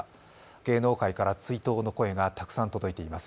芸能界から追悼の声がたくさん届いています。